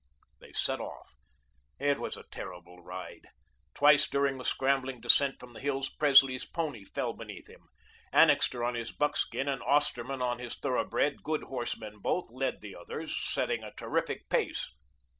They set off. It was a terrible ride. Twice during the scrambling descent from the hills, Presley's pony fell beneath him. Annixter, on his buckskin, and Osterman, on his thoroughbred, good horsemen both, led the others, setting a terrific pace.